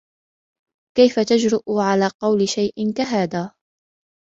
كيف تجرء على قول شيءٍ كهذا؟